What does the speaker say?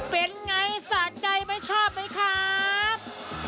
เป็นไงสะใจไม่ชอบไหมครับ